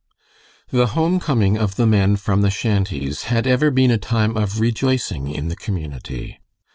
The home coming of the men from the shanties had ever been a time of rejoicing in the community.